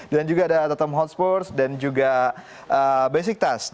dan juga ada tottenham hotspur dan juga besiktas